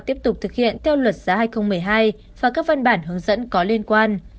tiếp tục thực hiện theo luật giá hai nghìn một mươi hai và các văn bản hướng dẫn có liên quan